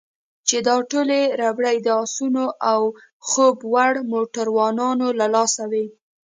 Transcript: چې دا ټولې ربړې د اسونو او خوب وړو موټروانانو له لاسه وې.